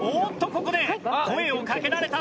ここで声をかけられた。